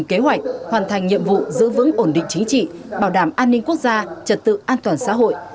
kế hoạch hoàn thành nhiệm vụ giữ vững ổn định chính trị bảo đảm an ninh quốc gia trật tự an toàn xã hội